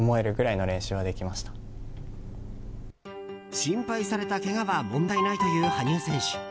心配されたけがは問題ないという羽生選手。